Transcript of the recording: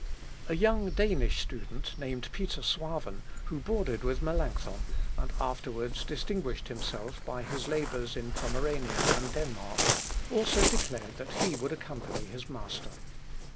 A young Danish student named Peter Suaven, who boarded with Melancthon, and afterwards distinguished himself by his labours in Pomerania and Denmark, also declared that he would accompany his master.